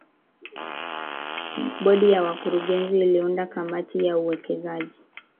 bodi ya wakurugenzi iliunda kamati ya uwekezaji